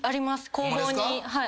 工房に。